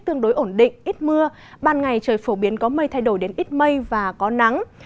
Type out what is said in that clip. tương đối ổn định ít mưa ban ngày trời phổ biến có mây thay đổi đến ít mây và có nắng